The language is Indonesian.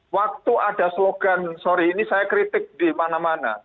waktu ada slogan sore ini saya kritik di mana mana